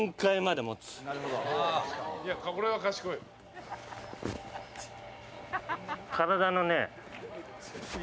「これは賢い」体のね。